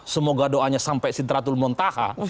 semoga doanya sampai sidratul montaha